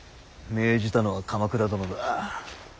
命じたのは鎌倉殿だ。